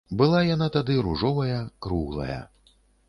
Была яна тады ружовая, круглая.